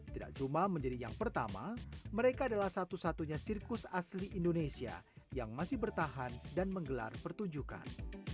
tidak cuma menjadi yang pertama mereka adalah satu satunya sirkus asli indonesia yang masih bertahan dan menggelar pertunjukan